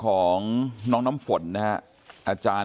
คุณยายบอกว่ารู้สึกเหมือนใครมายืนอยู่ข้างหลัง